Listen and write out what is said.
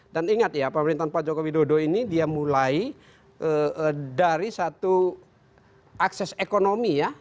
dan ingat ya pemerintahan pak jokowi dodo ini dia mulai dari satu akses ekonomi ya